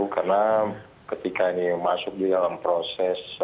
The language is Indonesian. karena ketika ini masuk di dalam proses